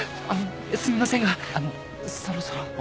あのすみませんがあのそろそろ。